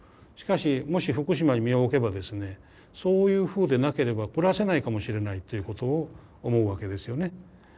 しかしもし福島に身を置けばですねそういうふうでなければ暮らせないかもしれないということを思うわけですよね。